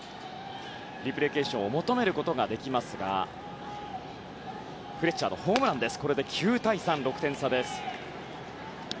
リプレイ検証を求めることもできますがフレッチャーのホームランで９対３、これで６点差です。